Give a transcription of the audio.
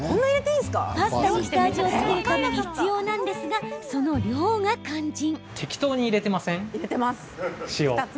パスタに下味を付けるために必要なんですが、その量が肝心。